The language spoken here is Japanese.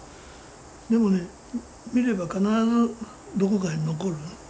でもね見れば必ずどこかに残る。